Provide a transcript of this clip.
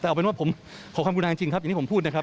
แต่เอาเป็นว่าผมขอความกุณาจริงครับอย่างที่ผมพูดนะครับ